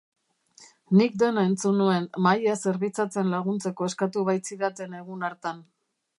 Nik dena entzun nuen, mahaia zerbitzatzen laguntzeko eskatu baitzidaten egun hartan.